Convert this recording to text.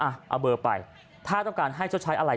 เอาเบอร์ไปถ้าต้องการให้ชดใช้อะไร